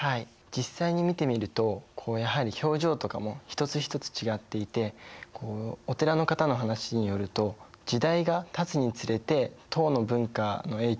実際に見てみるとやはり表情とかも一つ一つ違っていてお寺の方の話によると時代がたつにつれて唐の文化の影響